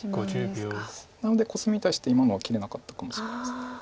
なのでコスミに対して今のは切れなかったかもしれないです。